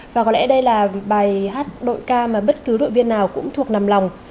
và có lẽ đây là bài hát đội ca mà bất cứ đội viên nào cũng thuộc nằm lòng